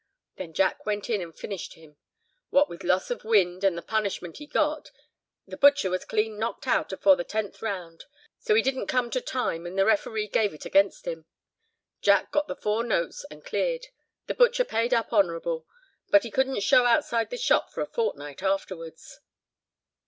Then Jack went in and finished him; what with loss of wind, and the punishment he got, the butcher was clean knocked out afore the tenth round. So he didn't come to time, and the referee gave it against him. Jack got the four notes and cleared—the butcher paid up honourable—but he couldn't show outside the shop for a fortnight afterwards."